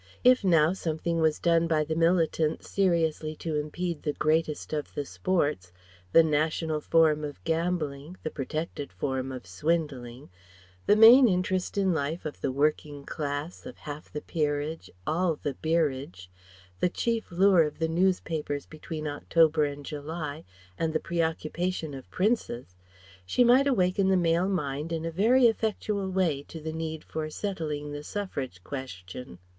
If now something was done by the militants seriously to impede the greatest of the sports, the national form of gambling, the protected form of swindling, the main interest in life of the working class, of half the peerage, all the beerage, the chief lure of the newspapers between October and July, and the preoccupation of princes, she might awaken the male mind in a very effectual way to the need for settling the Suffrage question.